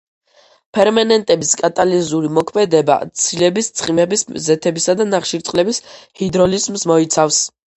ფერმენტების კატალიზური მოქმედება ცილების, ცხიმების, ზეთებისა და ნახშირწყლების ჰიდროლიზს მოიცავს.